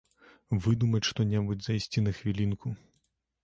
Выдумаць што-небудзь, зайсці на хвілінку.